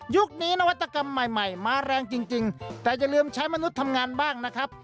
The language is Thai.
นี้นวัตกรรมใหม่ใหม่มาแรงจริงแต่อย่าลืมใช้มนุษย์ทำงานบ้างนะครับ